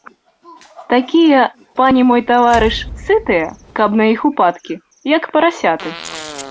Такія, пане мой, таварыш, сытыя, каб на іх упадкі, як парасяты.